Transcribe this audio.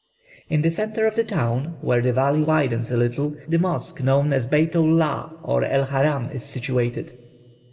In the centre of the town, where the valley widens a little, the mosque known as Beithóu'llah, or El Haram, is situated.